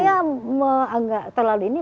ini karena saya terlalu ini